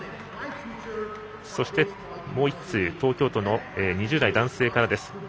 そして、もう１通東京都の２０代男性からです。